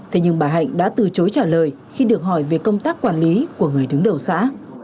thế nhưng bà hạnh đã từ chối trả lời khi được hỏi về công tác quản lý của người đứng đầu xã